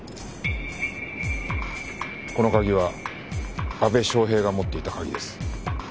この鍵は阿部祥平が持っていた鍵です。